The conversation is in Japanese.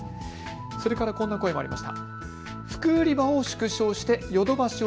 そしてこんな声もありました。